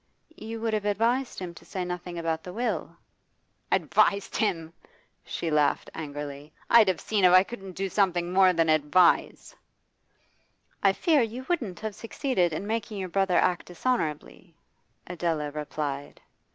'You would have advised him to say nothing about the will?' 'Advised him!' she laughed angrily. 'I'd have seen if I couldn't do something more than advise.' 'I fear you wouldn't have succeeded in making your brother act dishonourably,' Adela replied.